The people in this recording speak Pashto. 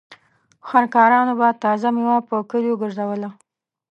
خر کارانو به تازه مېوه په کليو ګرځوله.